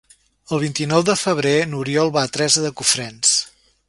El vint-i-nou de febrer n'Oriol va a Teresa de Cofrents.